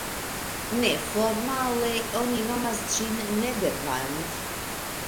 Neformale oni nomas ĝin "Nederland.